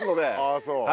あぁそう。